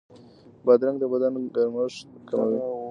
بادرنګ د بدن ګرمښت کموي.